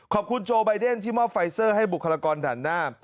ขอบคุณโจว์บายเดนที่มอบไฟเซอร์ให้บุคลากรด่านหน้า